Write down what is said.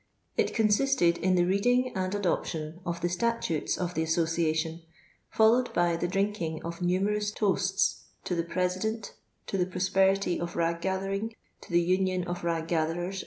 It consisted in the rending aiul adoption of the statutes of the association, followed by the drink ing of nunierjui toasts to the president, to the prosperity of rag gathering, to the union of rag gatherers, &c.